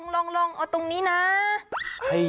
ลงลงตรงนี้นะ